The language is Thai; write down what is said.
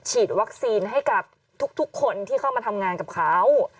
ฉีดวัคซีนให้กับทุกคนที่เข้ามาทำงานกับเขา